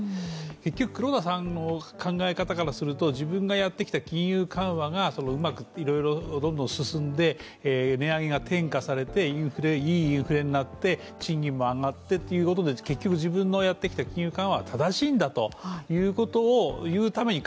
結局、黒田さんの考え方からすると自分がやってきた金融緩和がうまくどんどん進んで値上げが転嫁されていいインフレになって、賃金も上がってということになって結局、自分のやってきた金融緩和は正しいんだと言うために